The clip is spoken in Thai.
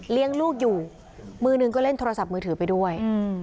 ลูกอยู่มือหนึ่งก็เล่นโทรศัพท์มือถือไปด้วย